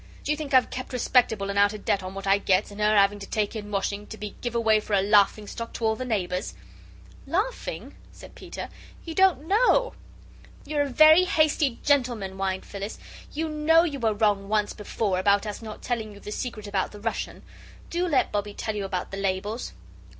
Do you think I've kept respectable and outer debt on what I gets, and her having to take in washing, to be give away for a laughing stock to all the neighbours?" "Laughing?" said Peter; "you don't know." "You're a very hasty gentleman," whined Phyllis; "you know you were wrong once before, about us not telling you the secret about the Russian. Do let Bobbie tell you about the labels!"